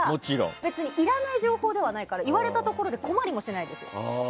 別にいらない情報ではないから言われたところで困りもしないですよ。